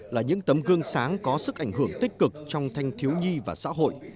là những tấm gương sáng có sức ảnh hưởng tích cực trong thanh thiếu nhi và xã hội